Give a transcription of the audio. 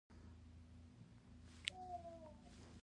په زراعت کې د اوبو د سپما عصري سیستمونه نه کارېږي.